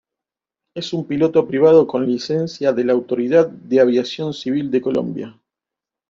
Es un piloto privado con licencia de la Autoridad de Aviación Civil de Colombia.